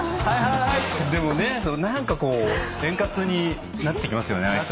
でも何かこう円滑になっていきますよね。